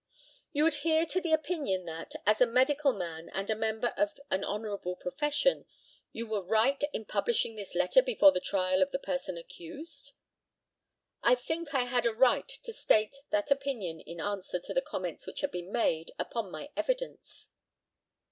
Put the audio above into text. You adhere to the opinion that, as a medical man and a member of an honourable profession, you were right in publishing this letter before the trial of the person accused? I think I had a right to state that opinion in answer to the comments which had been made upon my evidence.